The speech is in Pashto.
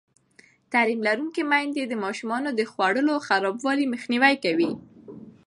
تعلیم لرونکې میندې د ماشومانو د خوړو خرابوالی مخنیوی کوي.